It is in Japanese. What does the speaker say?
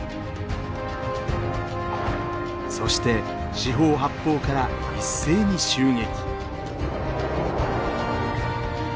そして四方八方から一斉に襲撃！